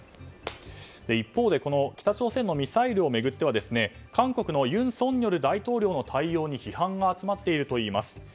一方で、北朝鮮のミサイルを巡っては韓国の尹錫悦大統領の対応に批判が集まっているといいます。